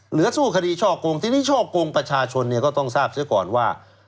เหลือสู้คดีช่อกงที่นี่ช่อกงประชาชนก็ต้องทราบซะก่อนว่า